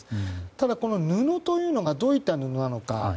ただ、この布というのがどういった布なのか。